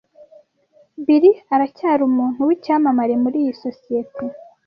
Bill aracyari umuntu w'icyamamare muri iyi sosiyete.